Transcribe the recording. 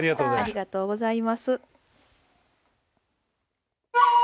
ありがとうございます。